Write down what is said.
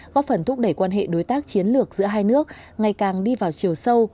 góp phần thúc đẩy quan hệ đối tác chiến lược giữa hai nước ngày càng đi vào chiều sâu